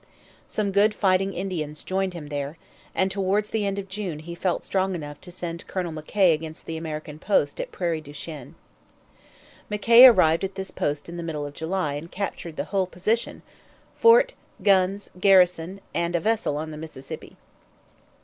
Some good fighting Indians joined him there; and towards the end of June he felt strong enough to send Colonel McKay against the American post at Prairie du Chien. McKay arrived at this post in the middle of July and captured the whole position fort, guns, garrison, and a vessel on the Mississippi.